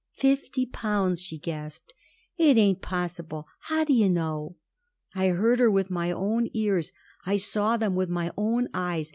"Fifty pounds!" she gasped. "It ain't possible. How do you know?" "I heard her with my own ears. I saw them with my own eyes.